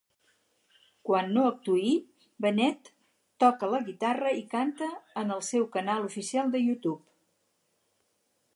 Quan no actuï, Bennett toca la guitarra i canta en el seu canal oficial de YouTube.